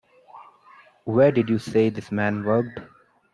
Where did you say this man worked?